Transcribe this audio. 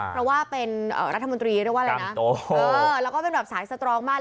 เพราะว่าเป็นรัฐมนตรีแล้วก็เป็นแบบสายสตรองมาก